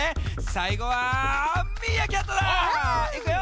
さいごはミーアキャットだ！いくよ！